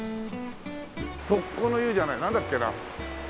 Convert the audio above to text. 独鈷の湯じゃないなんだっけな？